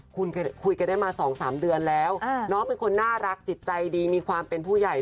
คุณคุยกันได้มา๒๓เดือนแล้วน้องเป็นคนน่ารักจิตใจดีมีความเป็นผู้ใหญ่